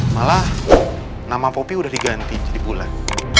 malah nama poppy udah diganti jadi bulan